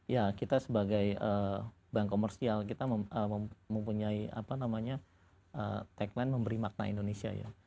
ya kita sebagai bank komersial kita mempunyai tagline memberi makna indonesia ya